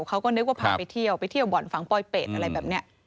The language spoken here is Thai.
เขาก็นึกว่าพาไปเที่ยวไปเที่ยวบ่อนฝังปลอยเป็ดอะไรแบบนี้